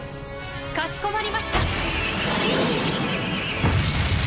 かしこまりました！